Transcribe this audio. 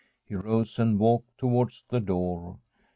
He rose and walked towards the door.